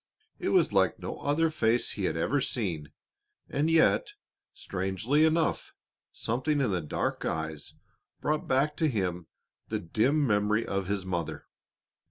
It was like no other face he had ever seen, and yet, strangely enough, something in the dark eyes brought back to him the dim memory of his mother.